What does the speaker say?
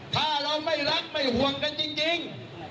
ถ้าเราไม่รักไม่ห่วงกันจริง